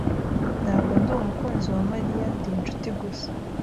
Ntabwo ndi umukunzi wa Mariya. Ndi inshuti gusa.